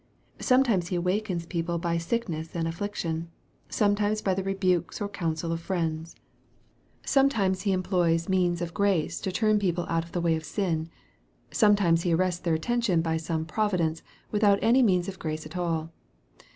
Sometimes He awakens people by sickness and affliction, sometimes by the rebukes or counsel of friends. Sometimes He employs means of MARK, CHAP. VII. 151 grace to turn people out of the way of sin. Sometimes He arrests their attention by some providence, without any means of grace at all.